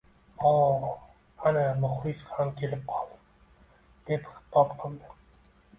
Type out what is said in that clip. - O, ana, muxlis ham kelib qoldi! — deb xitob qildi